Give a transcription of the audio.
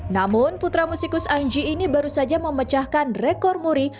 namun putra musikus anji ini baru saja memecahkan rekor muri